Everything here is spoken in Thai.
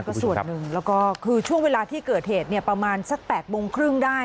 ก็ส่วนหนึ่งแล้วก็คือช่วงเวลาที่เกิดเหตุเนี่ยประมาณสัก๘โมงครึ่งได้